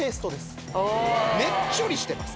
ねっちょりしてます。